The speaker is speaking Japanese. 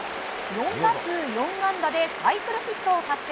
４打数４安打でサイクルヒットを達成。